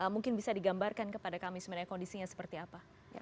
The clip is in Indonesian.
mungkin bisa digambarkan kepada kami sebenarnya kondisinya seperti apa